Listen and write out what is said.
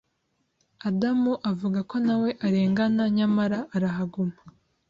Adam avuga ko nawe arengana Nyamara arahaguma